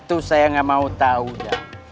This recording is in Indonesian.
itu saya gak mau tau jang